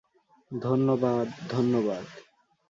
ধন্যবাদ, ধন্যবাদ।